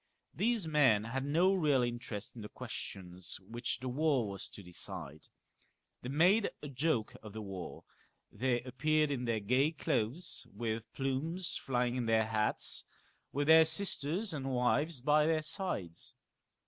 These men had no real interest in the questions which the war was to settle. They made a joke of the war; they appeared in their gay clothes with plumes flying in their hats, with their sisters and wives by their sides.